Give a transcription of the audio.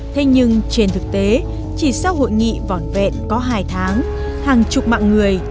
thế nhưng trên thực tế chỉ sau hội nghị vòn vẹn có hai tháng hàng chục mạng người